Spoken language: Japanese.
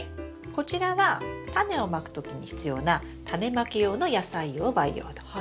こちらはタネをまくときに必要なタネまき用の野菜用培養土。